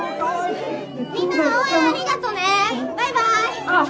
・みんな応援ありがとねバイバイ！